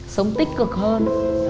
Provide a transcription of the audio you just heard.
sống tích cực hơn